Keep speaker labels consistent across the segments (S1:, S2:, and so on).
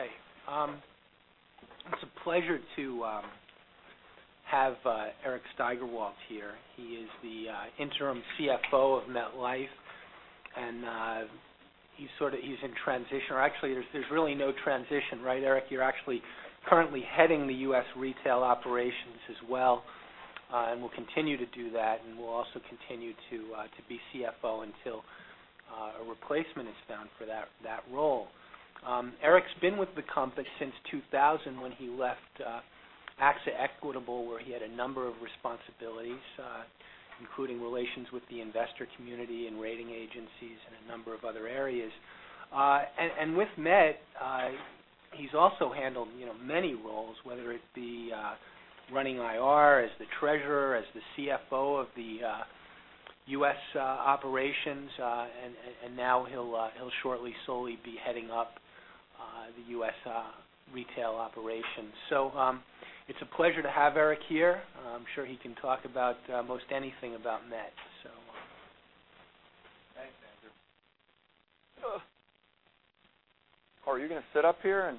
S1: Okay. It's a pleasure to have Eric Steigerwalt here. He is the interim CFO of MetLife, and he's in transition. Or actually, there's really no transition, right, Eric? You're actually currently heading the U.S. retail operations as well, and will continue to do that, and will also continue to be CFO until a replacement is found for that role. Eric's been with the company since 2000 when he left AXA Equitable, where he had a number of responsibilities, including relations with the investor community and rating agencies, and a number of other areas. With Met, he's also handled many roles, whether it be running IR, as the treasurer, as the CFO of the U.S. operations, and now he'll shortly solely be heading up the U.S. retail operations. It's a pleasure to have Eric here. I'm sure he can talk about most anything about Met.
S2: Thanks, Andrew. Are you going to sit up here and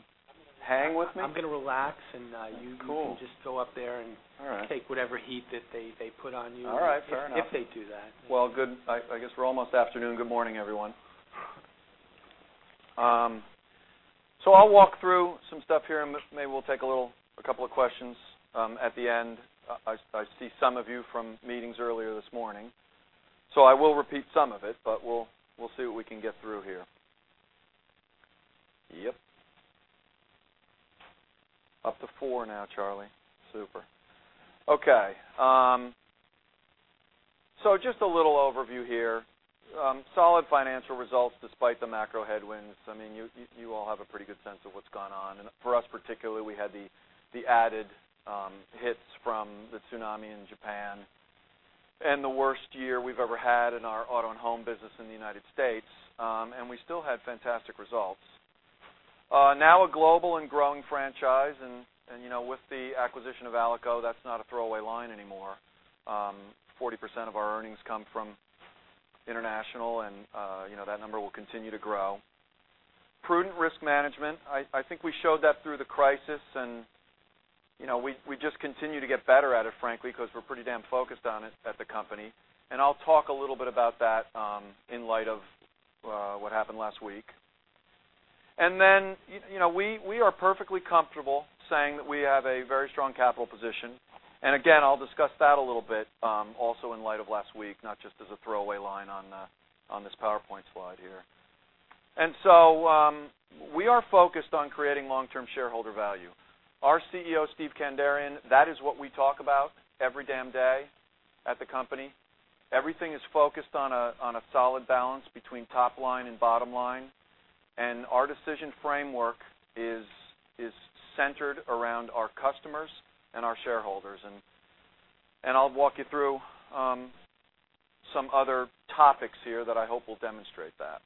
S2: hang with me?
S1: I'm going to relax and you-
S2: Cool
S1: can just go up there and-
S2: All right
S1: take whatever heat that they put on you.
S2: All right. Fair enough.
S1: If they do that.
S2: Well, good. I guess we're almost afternoon. Good morning, everyone. I'll walk through some stuff here, and maybe we'll take a couple of questions at the end. I see some of you from meetings earlier this morning, I will repeat some of it, but we'll see what we can get through here. Yep. Up to four now, Charlie. Super. Okay. Just a little overview here. Solid financial results despite the macro headwinds. You all have a pretty good sense of what's gone on, for us particularly, we had the added hits from the tsunami in Japan and the worst year we've ever had in our auto and home business in the U.S. We still had fantastic results. Now a global and growing franchise, and with the acquisition of Alico, that's not a throwaway line anymore. 40% of our earnings come from international, and that number will continue to grow. Prudent risk management. I think we showed that through the crisis, and we just continue to get better at it, frankly, because we're pretty damn focused on it at the company. I'll talk a little bit about that in light of what happened last week. We are perfectly comfortable saying that we have a very strong capital position. Again, I'll discuss that a little bit also in light of last week, not just as a throwaway line on this PowerPoint slide here. We are focused on creating long-term shareholder value. Our CEO, Steve Kandarian, that is what we talk about every damn day at the company. Everything is focused on a solid balance between top line and bottom line. Our decision framework is centered around our customers and our shareholders. I'll walk you through some other topics here that I hope will demonstrate that.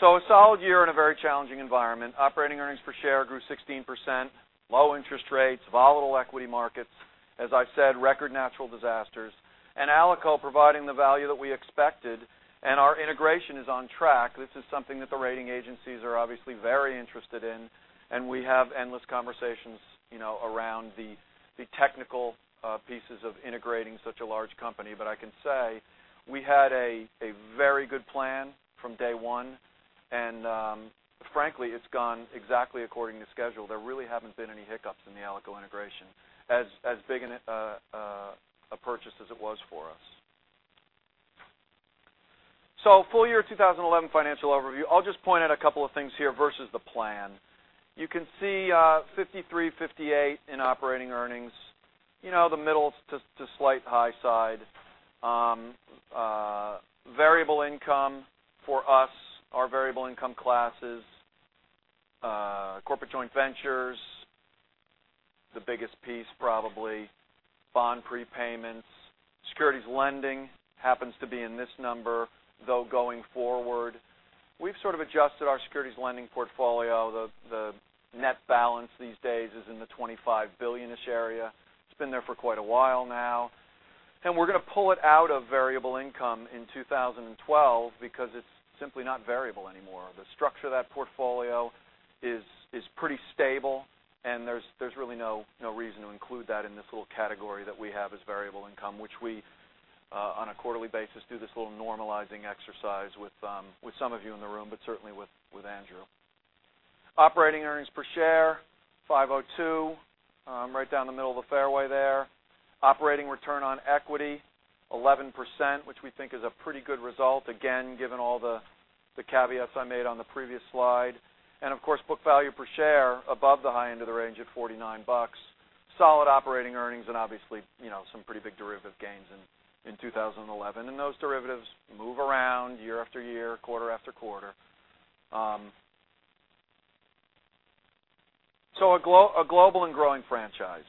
S2: A solid year in a very challenging environment. Operating earnings per share grew 16%. Low interest rates, volatile equity markets, as I've said, record natural disasters. Alico providing the value that we expected, and our integration is on track. This is something that the rating agencies are obviously very interested in, and we have endless conversations around the technical pieces of integrating such a large company. I can say we had a very good plan from day one, and frankly, it's gone exactly according to schedule. There really haven't been any hiccups in the Alico integration, as big a purchase as it was for us. Full year 2011 financial overview. I'll just point out a couple of things here versus the plan. You can see $5,358 billion in operating earnings, the middle to slight high side. Variable income for us, our variable income classes, corporate joint ventures, the biggest piece probably, bond prepayments. Securities lending happens to be in this number, though going forward, we've sort of adjusted our securities lending portfolio. The net balance these days is in the $25 billion-ish area. It's been there for quite a while now. We're going to pull it out of variable income in 2012 because it's simply not variable anymore. The structure of that portfolio is pretty stable, and there's really no reason to include that in this little category that we have as variable income, which we, on a quarterly basis, do this little normalizing exercise with some of you in the room, but certainly with Andrew. Operating earnings per share, $5.02, right down the middle of the fairway there. Operating return on equity, 11%, which we think is a pretty good result, again, given all the caveats I made on the previous slide. Of course, book value per share above the high end of the range at $49. Solid operating earnings and obviously some pretty big derivative gains in 2011. Those derivatives move around year after year, quarter after quarter. A global and growing franchise.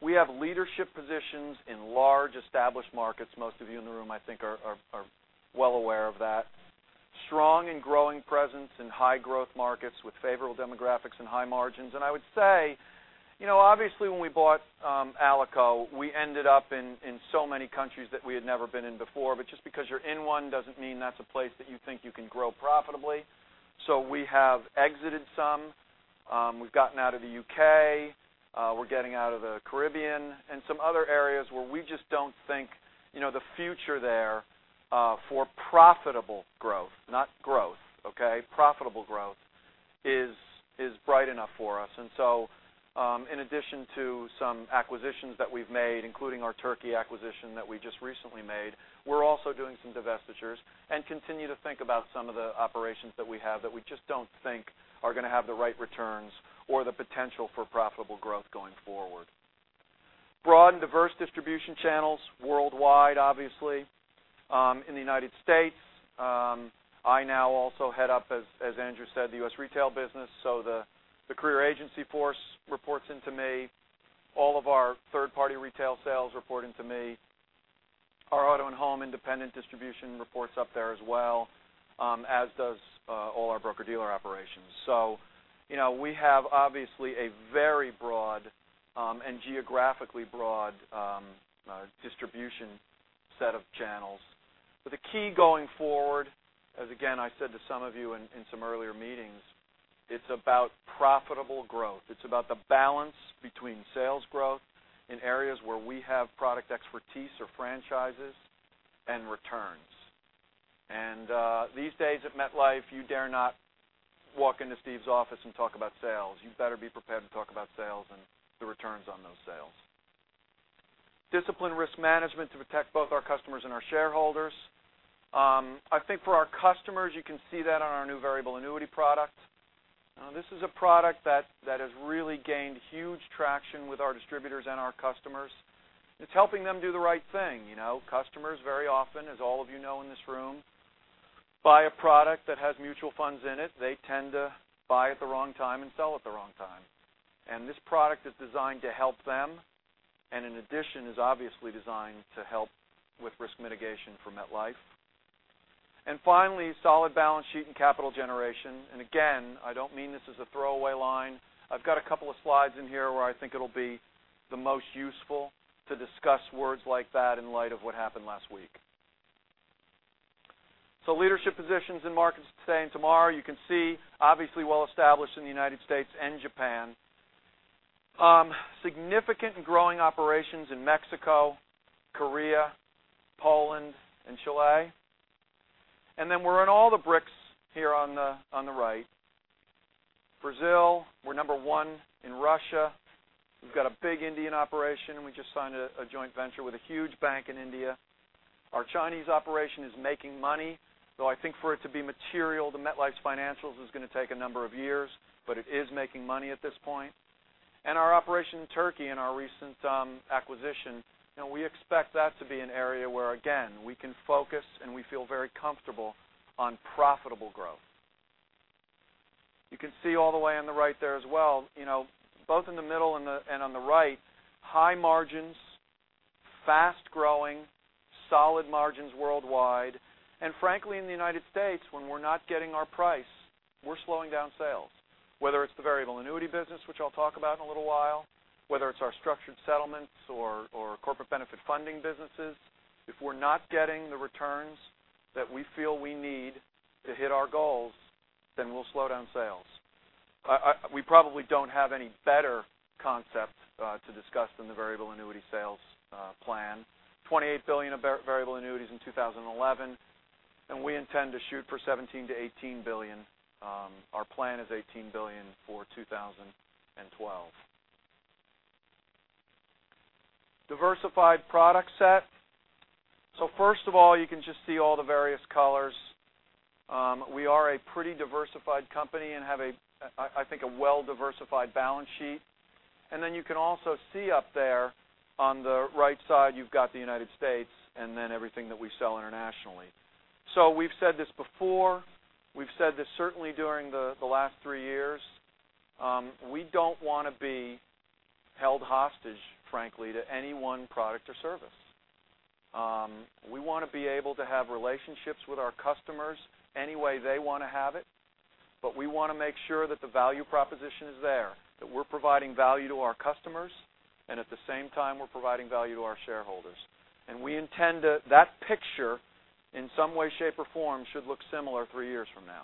S2: We have leadership positions in large established markets. Most of you in the room, I think, are well aware of that. Strong and growing presence in high growth markets with favorable demographics and high margins. I would say, obviously, when we bought Alico, we ended up in so many countries that we had never been in before. Just because you're in one doesn't mean that's a place that you think you can grow profitably. We have exited some. We've gotten out of the U.K. We're getting out of the Caribbean and some other areas where we just don't think the future there for profitable growth, not growth, okay, profitable growth, is bright enough for us. In addition to some acquisitions that we've made, including our Turkey acquisition that we just recently made, we're also doing some divestitures and continue to think about some of the operations that we have that we just don't think are going to have the right returns or the potential for profitable growth going forward. Broad and diverse distribution channels worldwide, obviously, in the United States. I now also head up, as Andrew said, the U.S. retail business, so the career agency force reports into me. All of our third-party retail sales report into me. Our auto and home independent distribution reports up there as well, as does all our broker-dealer operations. We have obviously a very broad and geographically broad distribution set of channels. The key going forward, as again I said to some of you in some earlier meetings, it's about profitable growth. It's about the balance between sales growth in areas where we have product expertise or franchises, and returns. These days at MetLife, you dare not walk into Steve's office and talk about sales. You better be prepared to talk about sales and the returns on those sales. Disciplined risk management to protect both our customers and our shareholders. I think for our customers, you can see that on our new variable annuity product. This is a product that has really gained huge traction with our distributors and our customers. It's helping them do the right thing. Customers very often, as all of you know in this room, buy a product that has mutual funds in it. They tend to buy at the wrong time and sell at the wrong time. This product is designed to help them, and in addition is obviously designed to help with risk mitigation for MetLife. Finally, solid balance sheet and capital generation. Again, I don't mean this as a throwaway line. I've got a couple of slides in here where I think it'll be the most useful to discuss words like that in light of what happened last week. Leadership positions in markets today and tomorrow. You can see, obviously well established in the United States and Japan. Significant growing operations in Mexico, Korea, Poland, and Chile. We're in all the BRICS here on the right. Brazil, we're number 1 in Russia. We've got a big Indian operation, and we just signed a joint venture with a huge bank in India. Our Chinese operation is making money, though I think for it to be material to MetLife's financials is going to take a number of years, but it is making money at this point. Our operation in Turkey and our recent acquisition, we expect that to be an area where, again, we can focus and we feel very comfortable on profitable growth. You can see all the way on the right there as well, both in the middle and on the right, high margins, fast-growing, solid margins worldwide. Frankly, in the U.S., when we're not getting our price, we're slowing down sales. Whether it's the variable annuity business, which I'll talk about in a little while, whether it's our structured settlements or corporate benefit funding businesses, if we're not getting the returns that we feel we need to hit our goals, we'll slow down sales. We probably don't have any better concept to discuss than the variable annuity sales plan. $28 billion of variable annuities in 2011, and we intend to shoot for $17 billion-$18 billion. Our plan is $18 billion for 2012. Diversified product set. First of all, you can just see all the various colors. We are a pretty diversified company and have, I think, a well-diversified balance sheet. You can also see up there on the right side, you've got the U.S. and then everything that we sell internationally. We've said this before. We've said this certainly during the last three years. We don't want to be held hostage, frankly, to any one product or service. We want to be able to have relationships with our customers any way they want to have it, but we want to make sure that the value proposition is there, that we're providing value to our customers, and at the same time, we're providing value to our shareholders. We intend that picture, in some way, shape, or form, should look similar three years from now.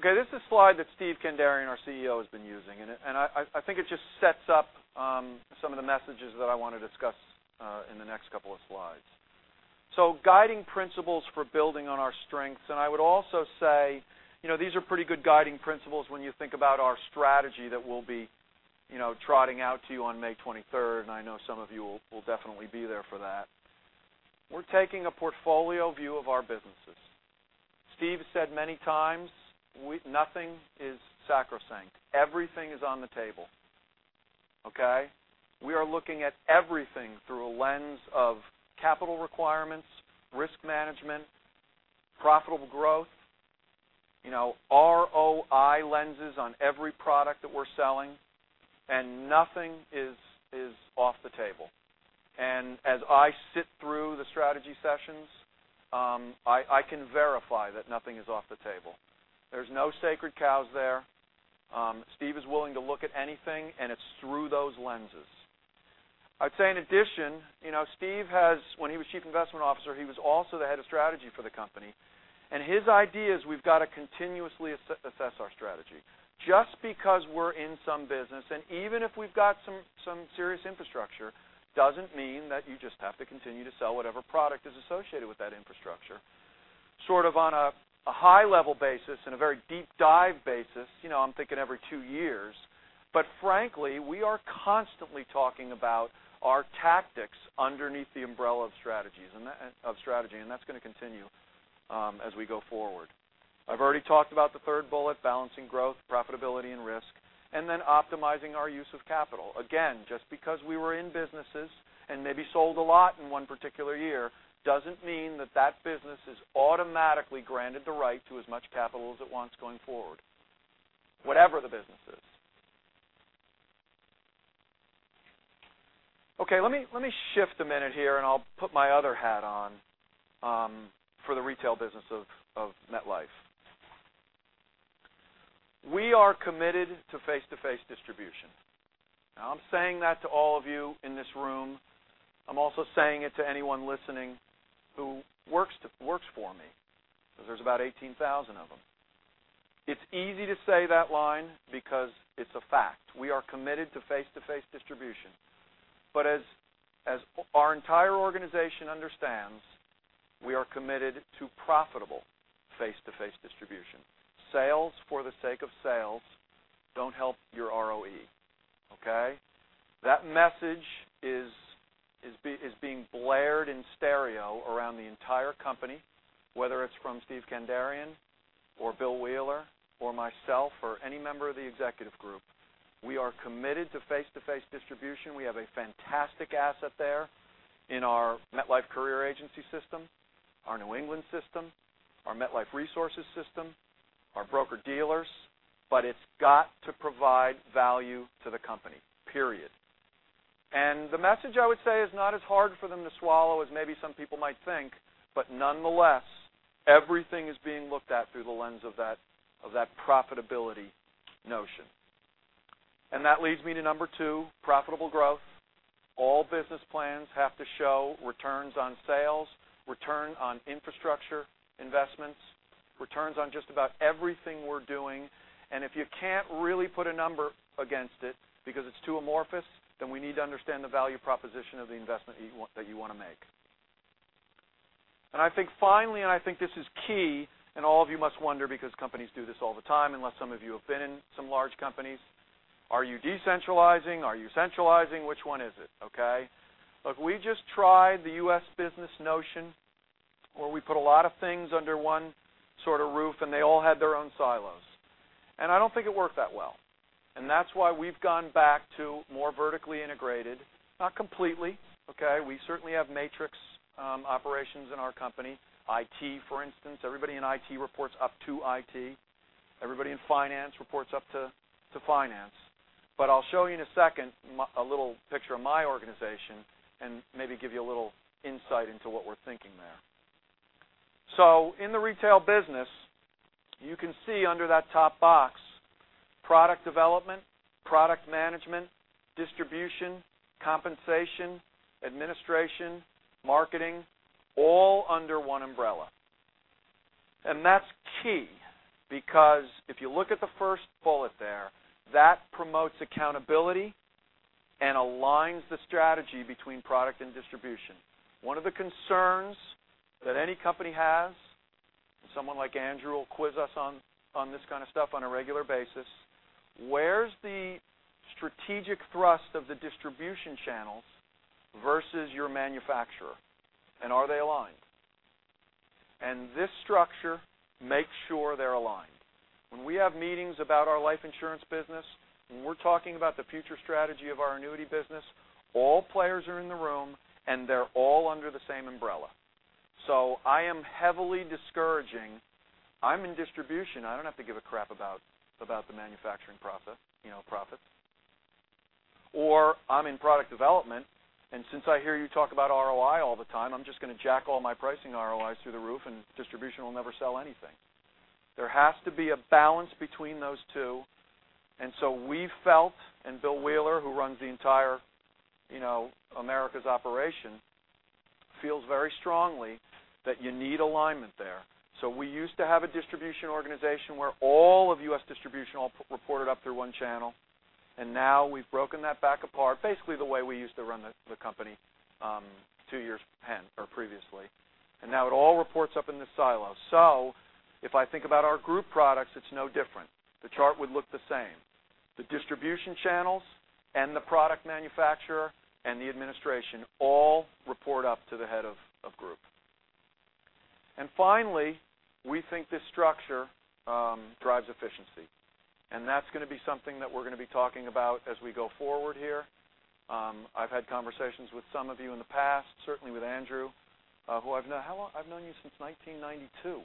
S2: This is a slide that Steve Kandarian, our CEO, has been using, and I think it just sets up some of the messages that I want to discuss in the next couple of slides. Guiding principles for building on our strengths. I would also say these are pretty good guiding principles when you think about our strategy that we'll be trotting out to you on May 23rd. I know some of you will definitely be there for that. We're taking a portfolio view of our businesses. Steve said many times nothing is sacrosanct. Everything is on the table. We are looking at everything through a lens of capital requirements, risk management, profitable growth, ROI lenses on every product that we're selling. Nothing is off the table. As I sit through the strategy sessions, I can verify that nothing is off the table. There's no sacred cows there. Steve is willing to look at anything, and it's through those lenses. I'd say in addition, Steve has, when he was chief investment officer, he was also the head of strategy for the company. His idea is we've got to continuously assess our strategy. Just because we're in some business, and even if we've got some serious infrastructure, doesn't mean that you just have to continue to sell whatever product is associated with that infrastructure. Sort of on a high level basis and a very deep dive basis, I'm thinking every two years, but frankly, we are constantly talking about our tactics underneath the umbrella of strategy, and that's going to continue as we go forward. I've already talked about the third bullet, balancing growth, profitability, and risk, and then optimizing our use of capital. Again, just because we were in businesses and maybe sold a lot in one particular year, doesn't mean that that business is automatically granted the right to as much capital as it wants going forward, whatever the business is. Okay, let me shift a minute here and I'll put my other hat on for the retail business of MetLife. We are committed to face-to-face distribution. Now, I'm saying that to all of you in this room. I'm also saying it to anyone listening who works for me, because there's about 18,000 of them. It's easy to say that line because it's a fact. We are committed to face-to-face distribution. As our entire organization understands, we are committed to profitable face-to-face distribution. Sales for the sake of sales don't help your ROE, okay? That message is being blared in stereo around the entire company, whether it's from Steven Kandarian, or Bill Wheeler, or myself, or any member of the executive group. We are committed to face-to-face distribution. We have a fantastic asset there in our MetLife career agency system, our New England system, our MetLife Resources system, our broker-dealers, but it's got to provide value to the company, period. The message, I would say, is not as hard for them to swallow as maybe some people might think. Nonetheless, everything is being looked at through the lens of that profitability notion. That leads me to number 2, profitable growth. All business plans have to show returns on sales, return on infrastructure investments, returns on just about everything we're doing. If you can't really put a number against it because it's too amorphous, then we need to understand the value proposition of the investment that you want to make. I think finally, and I think this is key, and all of you must wonder because companies do this all the time, unless some of you have been in some large companies, are you decentralizing? Are you centralizing? Which one is it, okay? Look, we just tried the U.S. business notion where we put a lot of things under one sort of roof, and they all had their own silos. I don't think it worked that well. That's why we've gone back to more vertically integrated, not completely, okay? We certainly have matrix operations in our company. IT, for instance, everybody in IT reports up to IT. Everybody in finance reports up to finance. I'll show you in a second, a little picture of my organization and maybe give you a little insight into what we're thinking there. In the retail business, you can see under that top box, product development, product management, distribution, compensation, administration, marketing, all under one umbrella. That's key because if you look at the first bullet there, that promotes accountability and aligns the strategy between product and distribution. One of the concerns that any company has, and someone like Andrew will quiz us on this kind of stuff on a regular basis, where's the strategic thrust of the distribution channels versus your manufacturer, and are they aligned? This structure makes sure they're aligned. When we have meetings about our life insurance business, when we're talking about the future strategy of our annuity business, all players are in the room and they're all under the same umbrella. I am heavily discouraging, I'm in distribution, I don't have to give a crap about the manufacturing profits. I'm in product development, and since I hear you talk about ROI all the time, I'm just going to jack all my pricing ROIs through the roof and distribution will never sell anything. There has to be a balance between those two, we felt, and Bill Wheeler, who runs the entire Americas operation, feels very strongly that you need alignment there. We used to have a distribution organization where all of U.S. distribution all reported up through one channel, now we've broken that back apart, basically the way we used to run the company two years previously. Now it all reports up in the silos. If I think about our group products, it's no different. The chart would look the same. The distribution channels and the product manufacturer and the administration all report up to the head of group. Finally, we think this structure drives efficiency, and that's going to be something that we're going to be talking about as we go forward here. I've had conversations with some of you in the past, certainly with Andrew, who I've known how long? I've known you since 1992.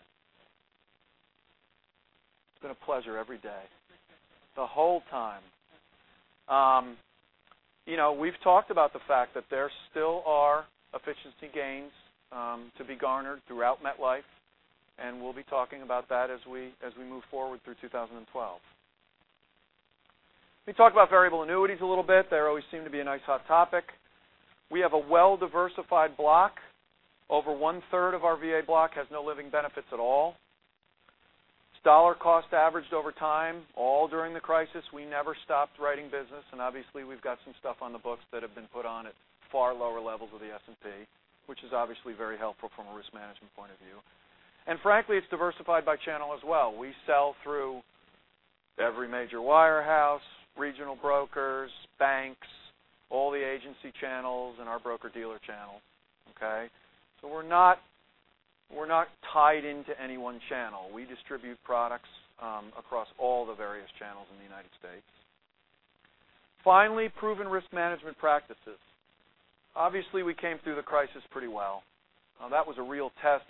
S2: It's been a pleasure every day. The whole time. We've talked about the fact that there still are efficiency gains to be garnered throughout MetLife, and we'll be talking about that as we move forward through 2012. Let me talk about variable annuities a little bit. They always seem to be a nice hot topic. We have a well-diversified block. Over one-third of our VA block has no living benefits at all. It's dollar cost averaged over time, all during the crisis. We never stopped writing business, and obviously we've got some stuff on the books that have been put on at far lower levels of the S&P, which is obviously very helpful from a risk management point of view. Frankly, it's diversified by channel as well. We sell through every major wirehouse, regional brokers, banks, all the agency channels, and our broker-dealer channel. Okay? We're not tied into any one channel. We distribute products across all the various channels in the U.S. Finally, proven risk management practices. Obviously, we came through the crisis pretty well. That was a real test.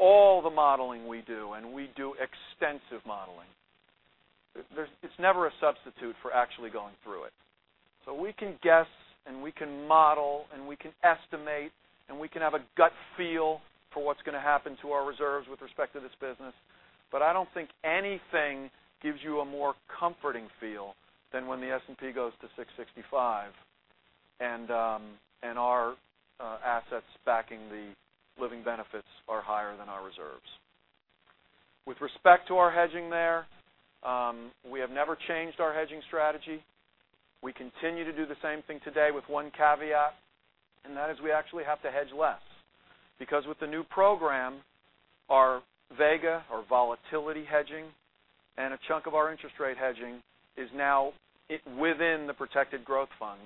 S2: All the modeling we do, and we do extensive modeling, it's never a substitute for actually going through it. We can guess, and we can model, and we can estimate, and we can have a gut feel for what's going to happen to our reserves with respect to this business, but I don't think anything gives you a more comforting feel than when the S&P goes to 665 and our assets backing the living benefits are higher than our reserves. With respect to our hedging there, we have never changed our hedging strategy. We continue to do the same thing today with one caveat, and that is we actually have to hedge less. With the new program, our vega, our volatility hedging, and a chunk of our interest rate hedging is now within the Protected Growth Funds.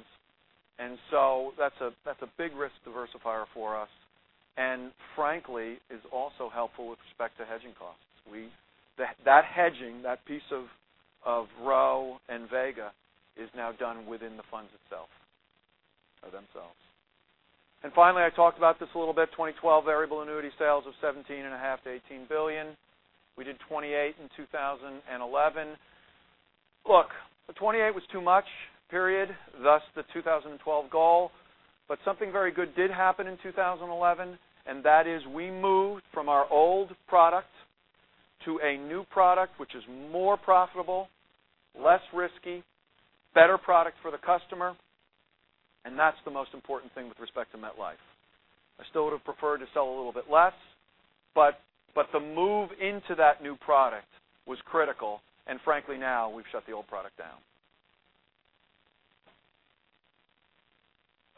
S2: That's a big risk diversifier for us, and frankly, is also helpful with respect to hedging costs. That hedging, that piece of rho and vega is now done within the funds itself, or themselves. Finally, I talked about this a little bit, 2012 variable annuity sales of $17.5 billion-$18 billion. We did 28 in 2011. Look, the 28 was too much, period, thus the 2012 goal. Something very good did happen in 2011, and that is we moved from our old product to a new product which is more profitable, less risky, better product for the customer, and that's the most important thing with respect to MetLife. I still would have preferred to sell a little bit less, but the move into that new product was critical, and frankly now we've shut the old product down.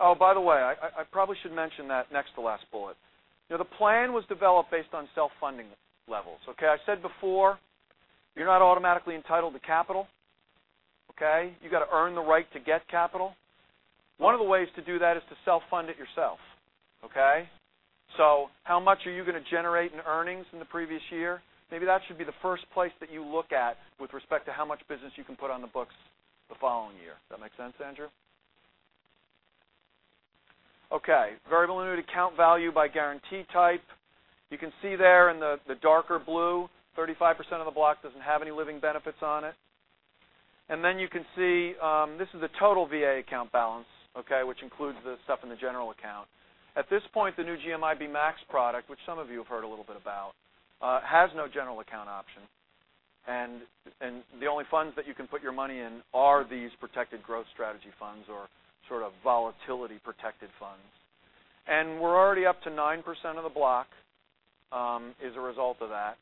S2: I probably should mention that next to last bullet. The plan was developed based on self-funding levels, okay? I said before, you're not automatically entitled to capital. You got to earn the right to get capital. One of the ways to do that is to self-fund it yourself. How much are you going to generate in earnings in the previous year? Maybe that should be the first place that you look at with respect to how much business you can put on the books the following year. Does that make sense, Andrew? Okay. Variable annuity account value by guarantee type. You can see there in the darker blue, 35% of the block doesn't have any living benefits on it. You can see, this is a total VA account balance, which includes the stuff in the general account. At this point, the new GMIB Max product, which some of you have heard a little bit about, has no general account option. The only funds that you can put your money in are these Protected Growth Strategy funds or sort of volatility protected funds. We're already up to 9% of the block as a result of that.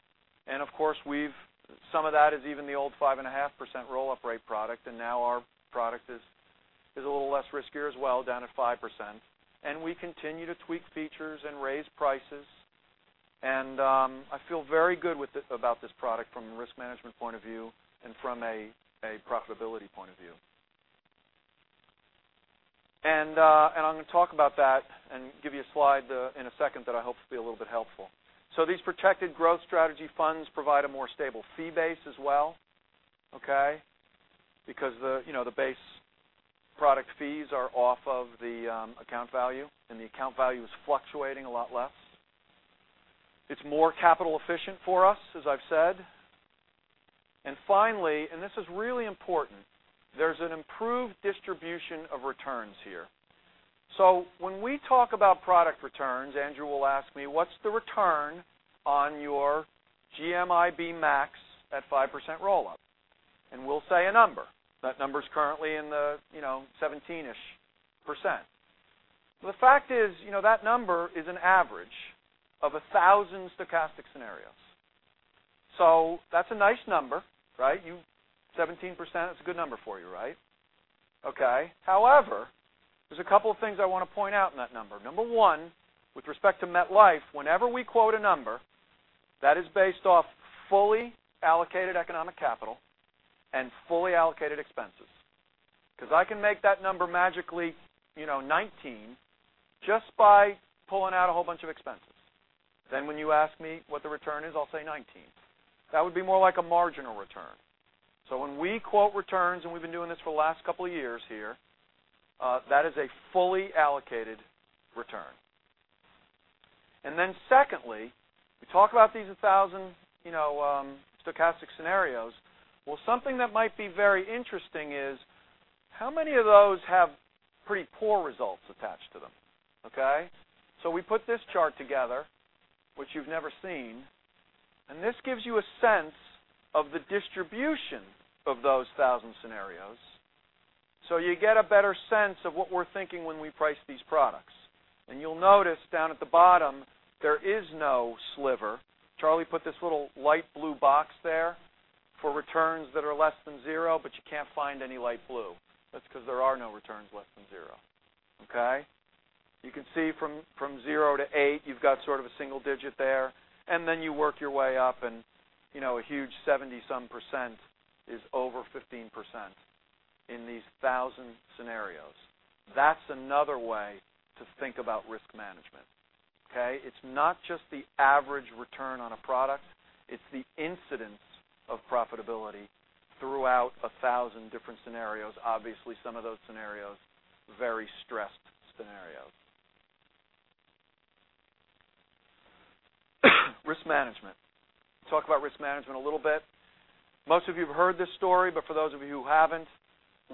S2: Of course, some of that is even the old 5.5% roll-up rate product, and now our product is a little less riskier as well, down at 5%. We continue to tweak features and raise prices. I feel very good about this product from a risk management point of view and from a profitability point of view. I'm going to talk about that and give you a slide in a second that I hope will be a little bit helpful. These Protected Growth Strategy Funds provide a more stable fee base as well. The base product fees are off of the account value, and the account value is fluctuating a lot less. It's more capital efficient for us, as I've said. Finally, and this is really important, there's an improved distribution of returns here. When we talk about product returns, Andrew will ask me, "What's the return on your GMIB Max at 5% roll-up?" We'll say a number. That number's currently in the 17-ish%. The fact is, that number is an average of 1,000 stochastic scenarios. That's a nice number, right? 17%, that's a good number for you, right? However, there's a couple of things I want to point out in that number. Number one, with respect to MetLife, whenever we quote a number, that is based off fully allocated economic capital and fully allocated expenses. I can make that number magically 19 just by pulling out a whole bunch of expenses. When you ask me what the return is, I'll say 19. That would be more like a marginal return. When we quote returns, we've been doing this for the last couple of years here. That is a fully allocated return. Then secondly, we talk about these 1,000 stochastic scenarios. Something that might be very interesting is how many of those have pretty poor results attached to them? Okay. We put this chart together, which you've never seen, and this gives you a sense of the distribution of those 1,000 scenarios. You get a better sense of what we're thinking when we price these products. You'll notice down at the bottom, there is no sliver. Charlie put this little light blue box there for returns that are less than zero, but you can't find any light blue. That's because there are no returns less than zero. Okay. You can see from zero to eight, you've got sort of a single digit there, then you work your way up, and a huge 70-some% is over 15% in these 1,000 scenarios. That's another way to think about risk management. Okay. It's not just the average return on a product, it's the incidence of profitability throughout 1,000 different scenarios. Obviously, some of those scenarios, very stressed scenarios. Risk management. Talk about risk management a little bit. Most of you have heard this story, for those of you who haven't,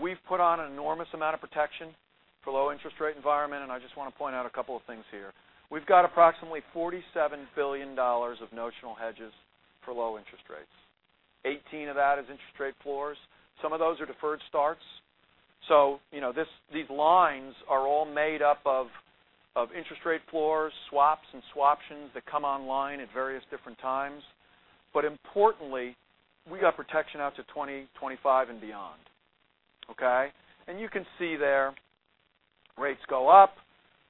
S2: we've put on an enormous amount of protection for low interest rate environment, I just want to point out a couple of things here. We've got approximately $47 billion of notional hedges for low interest rates. 18 of that is interest rate floors. Some of those are deferred starts. These lines are all made up of interest rate floors, swaps, and swaptions that come online at various different times. Importantly, we got protection out to 2025 and beyond. Okay. You can see there, rates go up.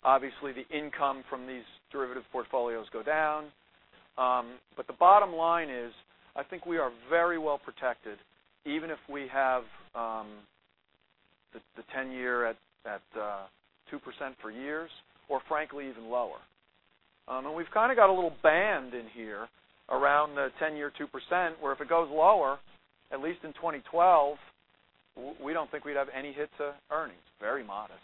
S2: Obviously, the income from these derivative portfolios go down. The bottom line is, I think we are very well protected, even if we have the 10-year at 2% for years or frankly, even lower. We've kind of got a little band in here around the 10-year 2%, where if it goes lower, at least in 2012, we don't think we'd have any hit to earnings. Very modest.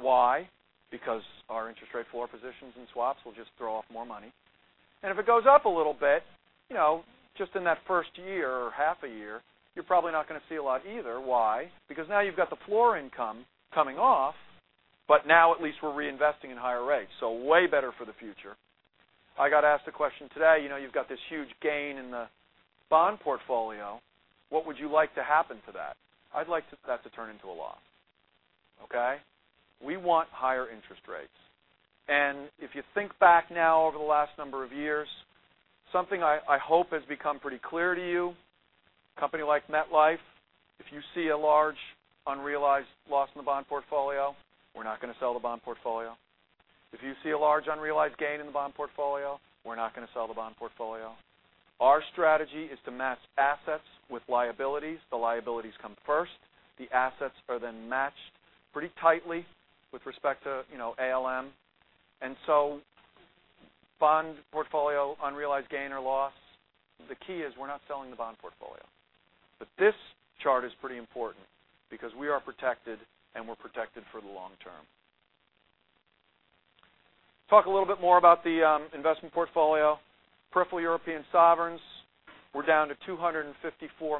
S2: Why? Because our interest rate floor positions and swaps will just throw off more money. If it goes up a little bit, just in that first year or half a year, you're probably not going to see a lot either. Why? Because now you've got the floor income coming off, but now at least we're reinvesting in higher rates. Way better for the future. I got asked a question today, you've got this huge gain in the bond portfolio, what would you like to happen to that? I'd like that to turn into a loss. Okay. We want higher interest rates. If you think back now over the last number of years, something I hope has become pretty clear to you, a company like MetLife, if you see a large unrealized loss in the bond portfolio, we're not going to sell the bond portfolio. If you see a large unrealized gain in the bond portfolio, we're not going to sell the bond portfolio. Our strategy is to match assets with liabilities. The liabilities come first, the assets are then matched pretty tightly with respect to ALM. Bond portfolio unrealized gain or loss, the key is we're not selling the bond portfolio. This chart is pretty important because we are protected, and we're protected for the long term. Talk a little bit more about the investment portfolio. Peripheral European sovereigns were down to $254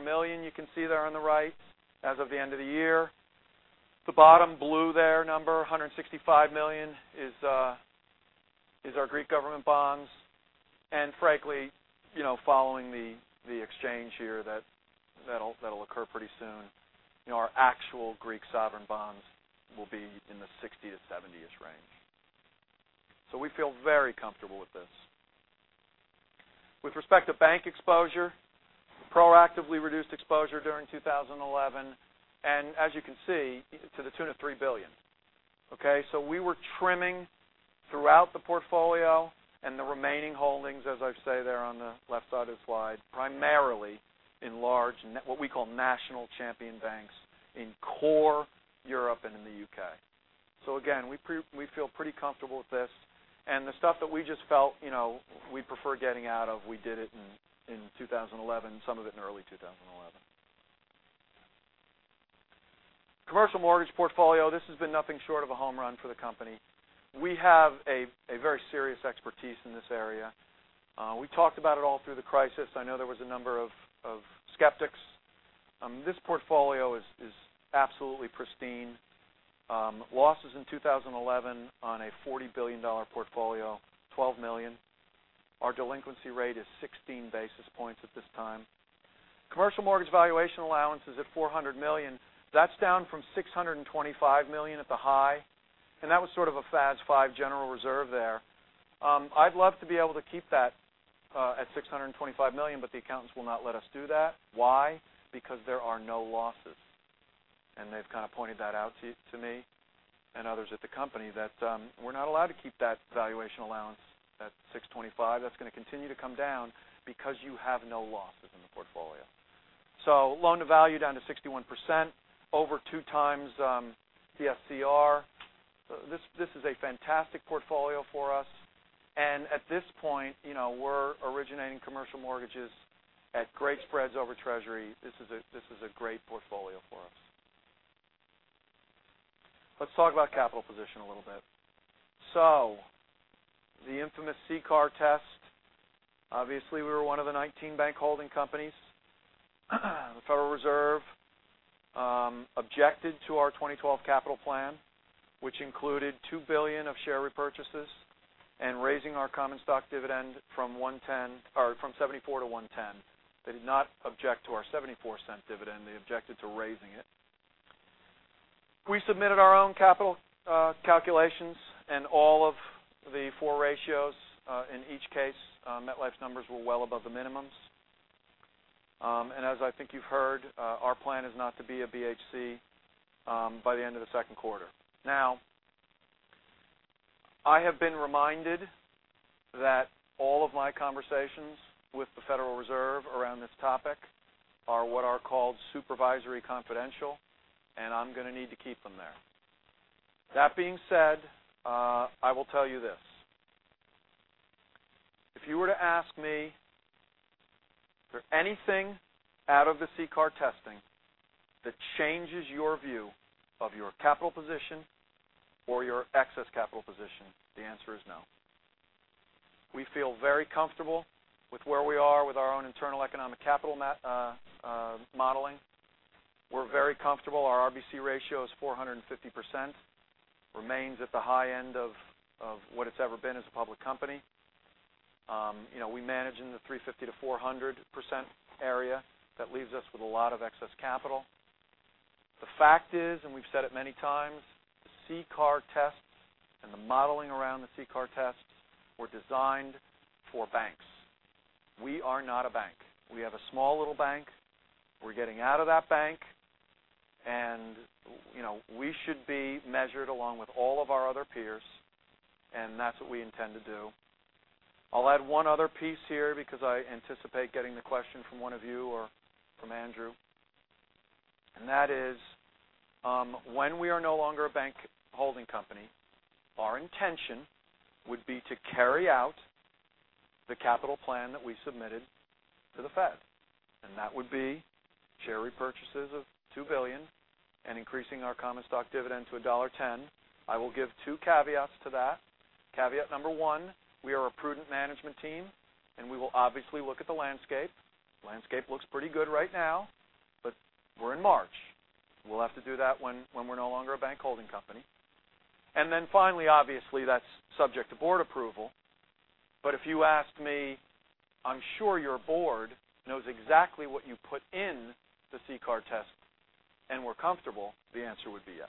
S2: million, you can see there on the right as of the end of the year. The bottom blue there, number $165 million, is our Greek government bonds. Frankly, following the exchange here that'll occur pretty soon, our actual Greek sovereign bonds will be in the $60 million-$70 million range. We feel very comfortable with this. With respect to bank exposure, proactively reduced exposure during 2011. As you can see, to the tune of $3 billion. Okay. We were trimming throughout the portfolio and the remaining holdings, as I say there on the left side of the slide, primarily in large, what we call national champion banks in core Europe and in the U.K. Again, we feel pretty comfortable with this. The stuff that we just felt we prefer getting out of, we did it in 2011, some of it in early 2011. Commercial mortgage portfolio, this has been nothing short of a home run for the company. We have a very serious expertise in this area. We talked about it all through the crisis. I know there was a number of skeptics. This portfolio is absolutely pristine. Losses in 2011 on a $40 billion portfolio, $12 million. Our delinquency rate is 16 basis points at this time. Commercial mortgage valuation allowance is at $400 million. That's down from $625 million at the high, and that was sort of a FAS 5 general reserve there. I'd love to be able to keep that at $625 million, the accountants will not let us do that. Why? There are no losses, and they've kind of pointed that out to me and others at the company that we're not allowed to keep that valuation allowance at $625. That's going to continue to come down because you have no losses in the portfolio. Loan to value down to 61%, over 2x DSCR. This is a fantastic portfolio for us. At this point we're originating commercial mortgages at great spreads over Treasury. This is a great portfolio for us. Let's talk about capital position a little bit. The infamous CCAR test, obviously we were one of the 19 bank holding companies. The Federal Reserve objected to our 2012 capital plan, which included $2 billion of share repurchases and raising our common stock dividend from $0.74 to $1.10. They did not object to our $0.74 dividend. They objected to raising it. We submitted our own capital calculations and all of the four ratios. In each case, MetLife's numbers were well above the minimums. As I think you've heard, our plan is not to be a BHC by the end of the second quarter. Now, I have been reminded that all of my conversations with the Federal Reserve around this topic are what are called supervisory confidential, and I'm going to need to keep them there. That being said, I will tell you this. If you were to ask me for anything out of the CCAR testing that changes your view of your capital position or your excess capital position, the answer is no. We feel very comfortable with where we are with our own internal economic capital modeling. We're very comfortable. Our RBC ratio is 450%, remains at the high end of what it's ever been as a public company. We manage in the 350%-400% area. That leaves us with a lot of excess capital. The fact is, we've said it many times, the CCAR tests and the modeling around the CCAR tests were designed for banks. We are not a bank. We have a small little bank. We're getting out of that bank, we should be measured along with all of our other peers, that's what we intend to do. I'll add one other piece here because I anticipate getting the question from one of you or from Andrew, when we are no longer a bank holding company, our intention would be to carry out the capital plan that we submitted to the Fed, and that would be share repurchases of $2 billion and increasing our common stock dividend to $1.10. I will give two caveats to that. Caveat number one, we are a prudent management team, we will obviously look at the landscape. Landscape looks pretty good right now, we're in March. We'll have to do that when we're no longer a bank holding company. Finally, obviously, that's subject to board approval. If you asked me, I'm sure your board knows exactly what you put in the CCAR test and we're comfortable, the answer would be yes.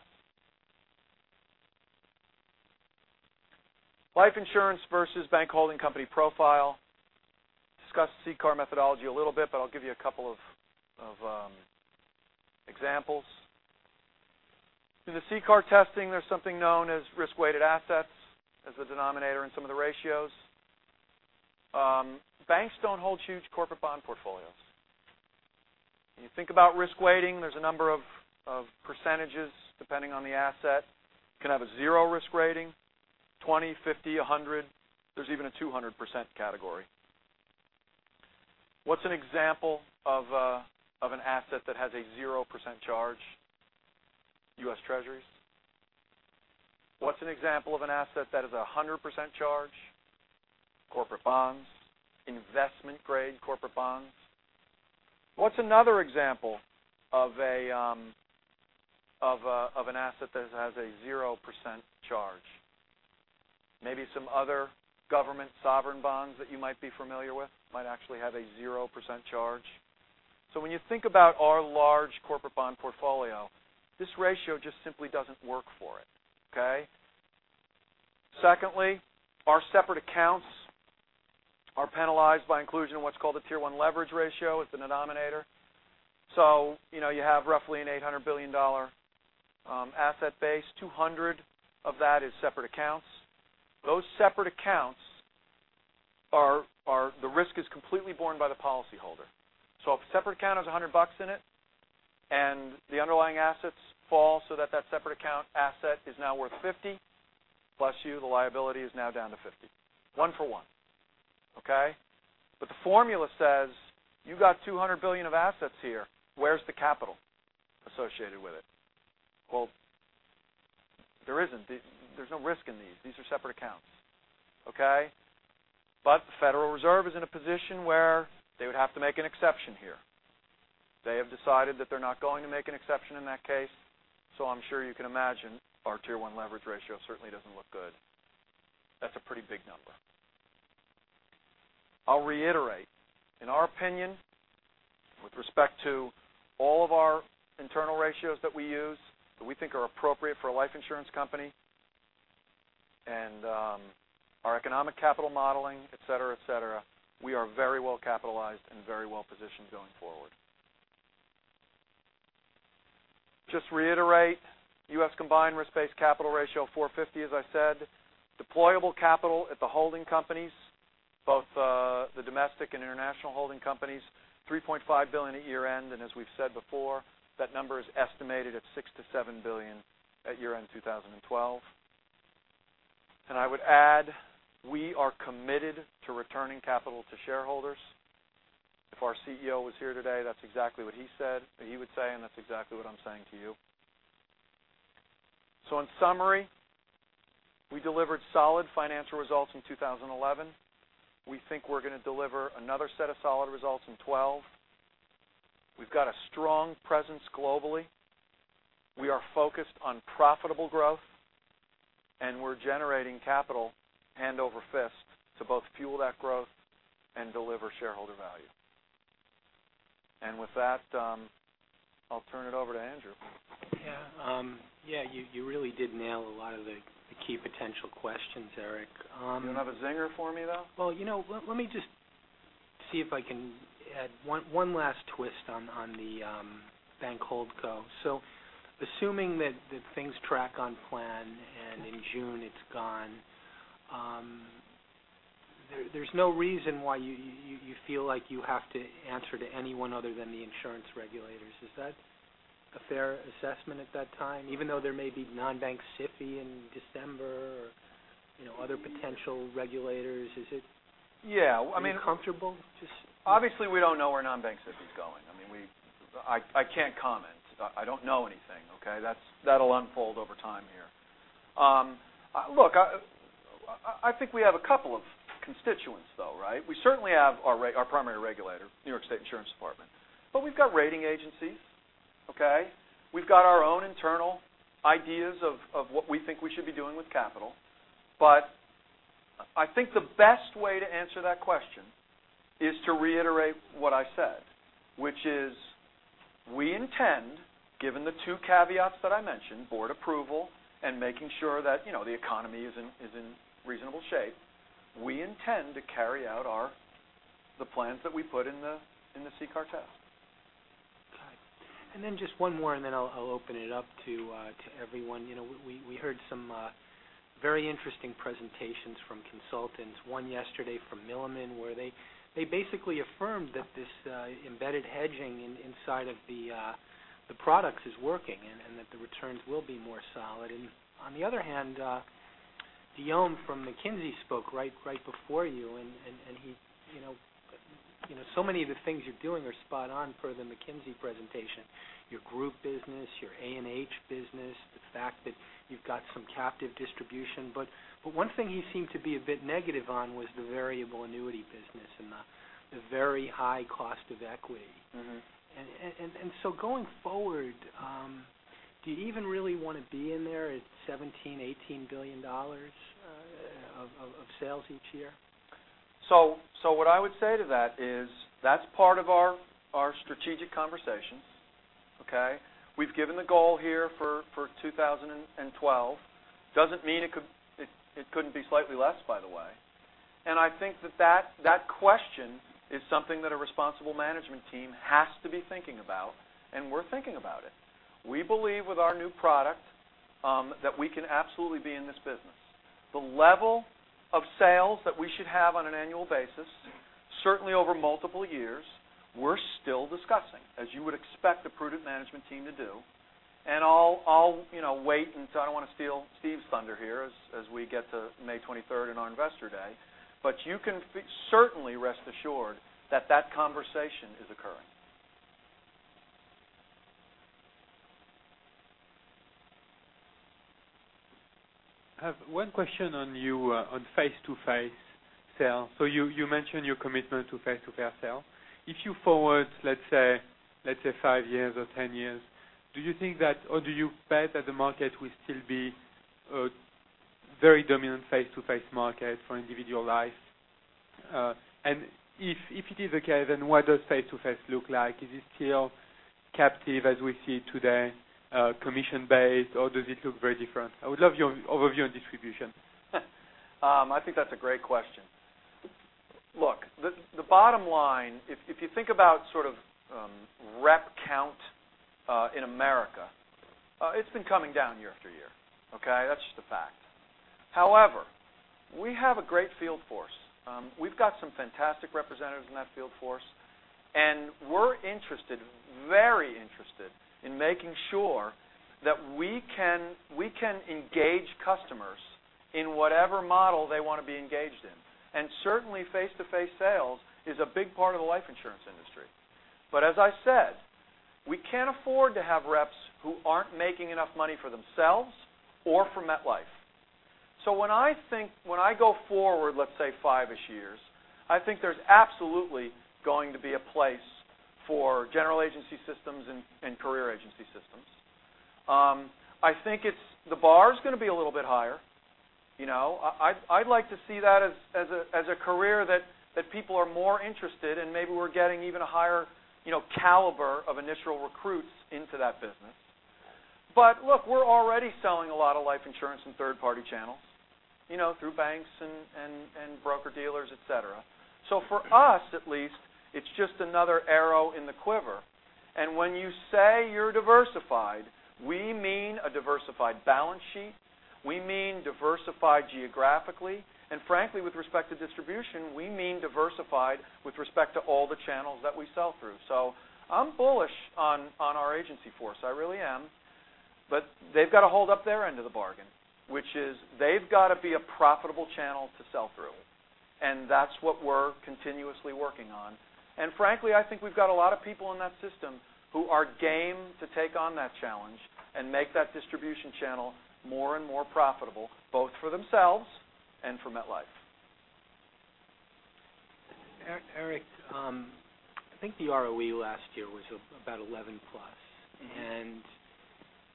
S2: Life insurance versus bank holding company profile. Discussed CCAR methodology a little bit, I'll give you a couple of examples. In the CCAR testing, there's something known as risk-weighted assets as the denominator in some of the ratios. Banks don't hold huge corporate bond portfolios. When you think about risk weighting, there's a number of percentages depending on the asset. You can have a zero risk rating, 20, 50, 100. There's even a 200% category. What's an example of an asset that has a 0% charge? U.S. Treasuries. What's an example of an asset that is a 100% charge? Corporate bonds. Investment grade corporate bonds. What's another example of an asset that has a 0% charge? Maybe some other government sovereign bonds that you might be familiar with might actually have a 0% charge. When you think about our large corporate bond portfolio, this ratio just simply doesn't work for it. Okay? Secondly, our separate accounts are penalized by inclusion in what's called a Tier 1 leverage ratio as the denominator. You have roughly an $800 billion asset base, $200 billion of that is separate accounts. Those separate accounts, the risk is completely borne by the policyholder. If a separate account has 100 bucks in it, and the underlying assets fall so that that separate account asset is now worth 50, bless you, the liability is now down to 50. One for one. Okay? The formula says you got $200 billion of assets here. Where's the capital associated with it? Well, there isn't. There's no risk in these. These are separate accounts. Okay? The Federal Reserve is in a position where they would have to make an exception here. They have decided that they're not going to make an exception in that case. I'm sure you can imagine our Tier 1 leverage ratio certainly doesn't look good. That's a pretty big number. I'll reiterate, in our opinion, with respect to all of our internal ratios that we use that we think are appropriate for a life insurance company and our economic capital modeling, et cetera, we are very well capitalized and very well positioned going forward. Just to reiterate, U.S. combined risk-based capital ratio 450 as I said. Deployable capital at the holding companies Both the domestic and international holding companies, $3.5 billion at year-end, and as we've said before, that number is estimated at $6 billion-$7 billion at year-end 2012. I would add, we are committed to returning capital to shareholders. If our CEO was here today, that's exactly what he would say, and that's exactly what I'm saying to you. In summary, we delivered solid financial results in 2011. We think we're going to deliver another set of solid results in 2012. We've got a strong presence globally. We are focused on profitable growth, and we're generating capital hand over fist to both fuel that growth and deliver shareholder value. With that, I'll turn it over to Andrew.
S1: Yeah. You really did nail a lot of the key potential questions, Eric.
S2: You don't have a zinger for me, though?
S1: Well, let me just see if I can add one last twist on the bank holdco. Assuming that things track on plan, and in June it's gone, there's no reason why you feel like you have to answer to anyone other than the insurance regulators. Is that a fair assessment at that time? Even though there may be non-bank SIFI in December or other potential regulators, is it.
S2: Yeah
S1: comfortable to.
S2: Obviously, we don't know where non-bank SIFI is going. I can't comment. I don't know anything, okay? That'll unfold over time here. Look, I think we have a couple of constituents, though, right? We certainly have our primary regulator, New York State Insurance Department. We've got rating agencies, okay? We've got our own internal ideas of what we think we should be doing with capital. I think the best way to answer that question is to reiterate what I said, which is, we intend, given the two caveats that I mentioned, board approval and making sure that the economy is in reasonable shape, we intend to carry out the plans that we put in the CCAR test.
S1: Got it. Then just one more, then I'll open it up to everyone. We heard some very interesting presentations from consultants, one yesterday from Milliman, where they basically affirmed that this embedded hedging inside of the products is working and that the returns will be more solid. On the other hand, Guillaume from McKinsey spoke right before you, and so many of the things you're doing are spot on per the McKinsey presentation, your group business, your A&H business, the fact that you've got some captive distribution. One thing he seemed to be a bit negative on was the variable annuity business and the very high cost of equity. Going forward, do you even really want to be in there at $17 billion, $18 billion of sales each year?
S2: What I would say to that is, that's part of our strategic conversations, okay? We've given the goal here for 2012. Doesn't mean it couldn't be slightly less, by the way. I think that question is something that a responsible management team has to be thinking about, and we're thinking about it. We believe with our new product that we can absolutely be in this business. The level of sales that we should have on an annual basis, certainly over multiple years, we're still discussing, as you would expect a prudent management team to do. I'll wait, I don't want to steal Steve's thunder here as we get to May 23rd in our investor day. You can certainly rest assured that conversation is occurring.
S3: I have one question on face-to-face sale. You mentioned your commitment to face-to-face sale. If you forward, let's say, five years or 10 years, do you think that, or do you bet that the market will still be a very dominant face-to-face market for individual life? If it is the case, then what does face-to-face look like? Is it still captive as we see today, commission-based, or does it look very different? I would love your overview on distribution.
S2: I think that's a great question. Look, the bottom line, if you think about sort of rep count in America, it's been coming down year after year, okay? That's just a fact. However, we have a great field force. We've got some fantastic representatives in that field force, and we're interested, very interested, in making sure that we can engage customers in whatever model they want to be engaged in. Certainly, face-to-face sales is a big part of the life insurance industry. As I said, we can't afford to have reps who aren't making enough money for themselves or for MetLife. When I go forward, let's say five-ish years, I think there's absolutely going to be a place for general agency systems and career agency systems. I think the bar's going to be a little bit higher. I'd like to see that as a career that people are more interested in. Maybe we're getting even a higher caliber of initial recruits into that business. Look, we're already selling a lot of life insurance in third-party channels, through banks and broker-dealers, et cetera. For us, at least, it's just another arrow in the quiver. When you say you're diversified, we mean a diversified balance sheet. We mean diversified geographically. Frankly, with respect to distribution, we mean diversified with respect to all the channels that we sell through. I'm bullish on our agency force, I really am. They've got to hold up their end of the bargain, which is they've got to be a profitable channel to sell through. That's what we're continuously working on. Frankly, I think we've got a lot of people in that system who are game to take on that challenge and make that distribution channel more and more profitable, both for themselves and for MetLife.
S1: Eric, I think the ROE last year was about 11 plus.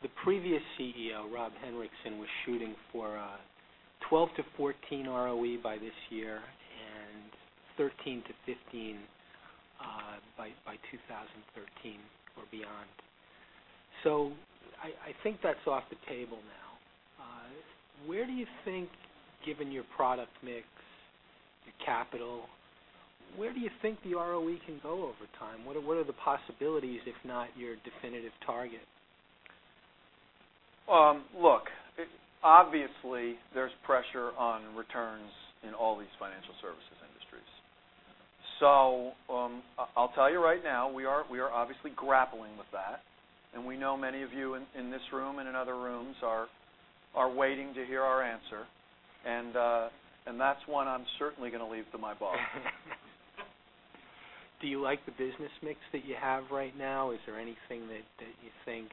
S1: The previous CEO, Rob Henrikson, was shooting for a 12%-14% ROE by this year and 13%-15% by 2013 or beyond. I think that's off the table now. Where do you think, given your product mix, your capital, where do you think the ROE can go over time? What are the possibilities, if not your definitive target?
S2: Look, obviously, there's pressure on returns in all these financial services industries. I'll tell you right now, we are obviously grappling with that, and we know many of you in this room and in other rooms are waiting to hear our answer. That's one I'm certainly going to leave to my boss.
S1: Do you like the business mix that you have right now? Is there anything that you think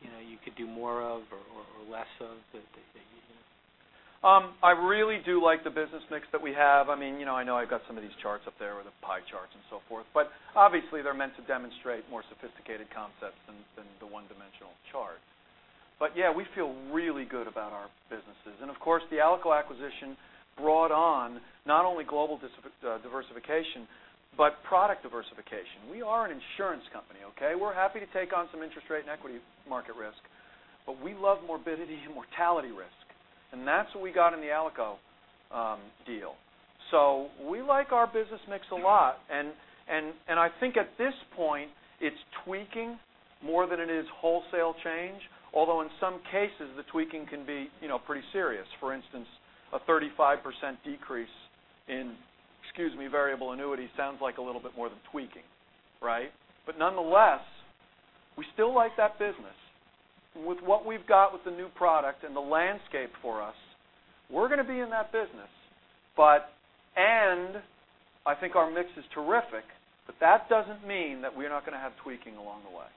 S1: you could do more of or less of that you can?
S2: I really do like the business mix that we have. I know I've got some of these charts up there with the pie charts and so forth, obviously, they're meant to demonstrate more sophisticated concepts than the one-dimensional charts. Yeah, we feel really good about our businesses. Of course, the Alico acquisition brought on not only global diversification but product diversification. We are an insurance company, okay? We're happy to take on some interest rate and equity market risk, but we love morbidity and mortality risk, and that's what we got in the Alico deal. We like our business mix a lot, and I think at this point, it's tweaking more than it is wholesale change, although in some cases, the tweaking can be pretty serious. For instance, a 35% decrease in, excuse me, variable annuity sounds like a little bit more than tweaking, right? Nonetheless, we still like that business. With what we've got with the new product and the landscape for us, we're going to be in that business. I think our mix is terrific, but that doesn't mean that we're not going to have tweaking along the way.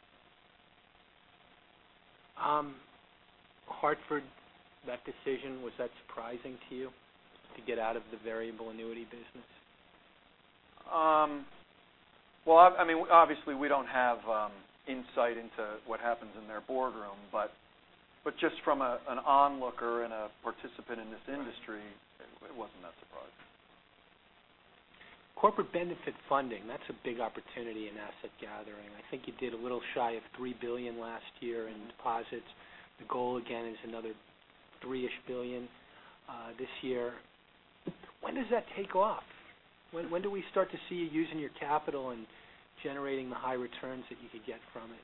S1: Hartford, that decision, was that surprising to you, to get out of the variable annuity business?
S2: Well, obviously we don't have insight into what happens in their boardroom, but just from an onlooker and a participant in this industry, it wasn't that surprising.
S1: Corporate benefit funding, that's a big opportunity in asset gathering. I think you did a little shy of $3 billion last year in deposits. The goal again is another $3-ish billion this year. When does that take off? When do we start to see you using your capital and generating the high returns that you could get from it?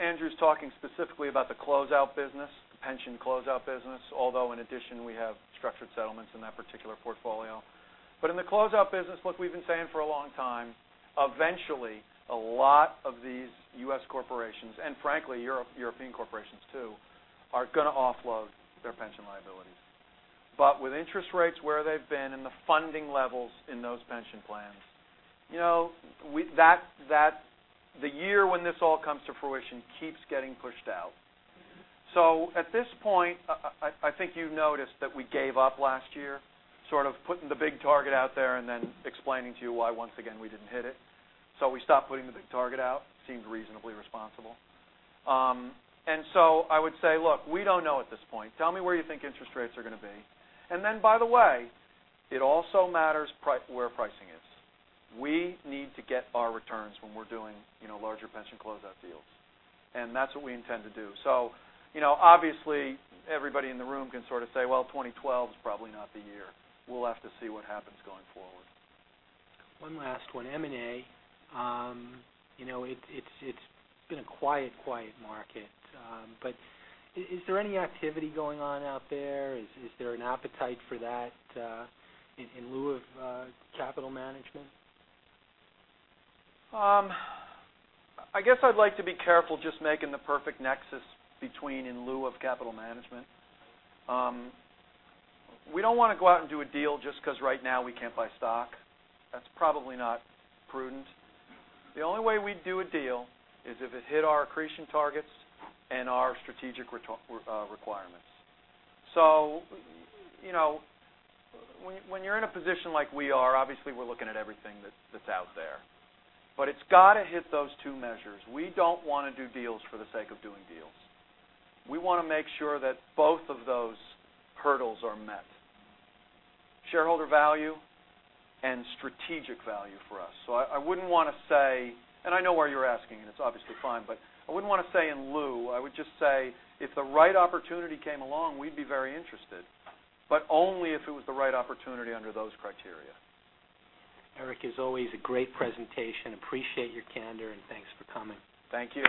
S2: Andrew's talking specifically about the closeout business, the pension closeout business, although in addition, we have structured settlements in that particular portfolio. In the closeout business, look, we've been saying for a long time, eventually, a lot of these U.S. corporations, and frankly, European corporations too, are going to offload their pension liabilities. With interest rates where they've been and the funding levels in those pension plans, the year when this all comes to fruition keeps getting pushed out. At this point, I think you've noticed that we gave up last year, sort of putting the big target out there and then explaining to you why, once again, we didn't hit it. We stopped putting the big target out. Seemed reasonably responsible. I would say, look, we don't know at this point. Tell me where you think interest rates are going to be. By the way, it also matters where pricing is. We need to get our returns when we're doing larger pension closeout deals. That's what we intend to do. Obviously, everybody in the room can sort of say, well, 2012 is probably not the year. We'll have to see what happens going forward.
S1: One last one. M&A. It's been a quiet market. Is there any activity going on out there? Is there an appetite for that in lieu of capital management?
S2: I guess I'd like to be careful just making the perfect nexus between in lieu of capital management. We don't want to go out and do a deal just because right now we can't buy stock. That's probably not prudent. The only way we'd do a deal is if it hit our accretion targets and our strategic requirements. When you're in a position like we are, obviously we're looking at everything that's out there. It's got to hit those two measures. We don't want to do deals for the sake of doing deals. We want to make sure that both of those hurdles are met. Shareholder value and strategic value for us. I wouldn't want to say, and I know why you're asking, and it's obviously fine, but I wouldn't want to say in lieu. I would just say if the right opportunity came along, we'd be very interested, but only if it was the right opportunity under those criteria.
S1: Eric, as always, a great presentation. Appreciate your candor, and thanks for coming.
S2: Thank you.